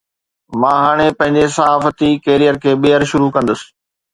مان هاڻي پنهنجي صحافتي ڪيريئر کي ٻيهر شروع ڪندس